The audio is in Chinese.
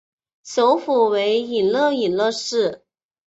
首府为伊洛伊洛市。